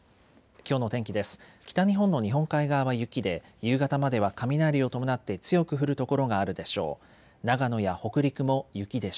きょうの天気です。